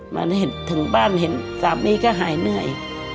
มาถึงบ้านเห็นสามีก็หายเหนื่อย